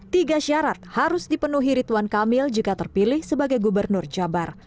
tiga syarat harus dipenuhi ridwan kamil jika terpilih sebagai gubernur jabar